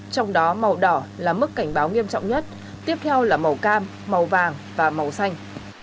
trong đó màu đỏ là mức cảnh báo nghiêm trọng nhất tiếp theo là màu cam màu vàng và màu xanh